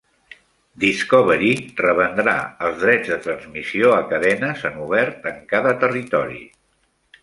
Discovery revendrà els drets de transmissió a cadenes en obert en cada territori.